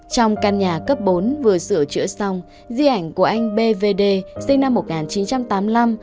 trong căn nhà cấp bốn vừa sửa chữa xong di ảnh của anh bvd sinh năm một nghìn chín trăm tám mươi năm